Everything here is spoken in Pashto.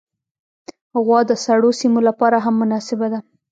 غوا د سړو سیمو لپاره هم مناسبه ده.